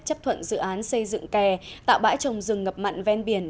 chấp thuận dự án xây dựng kè tạo bãi trồng rừng ngập mặn ven biển